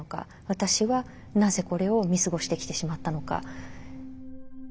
私はなぜこれを見過ごしてきてしまったのか。